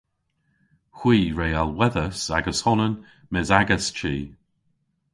Hwi re alhwedhas agas honan mes a'gas chi.